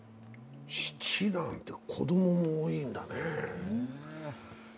七男って子供も多いんだね。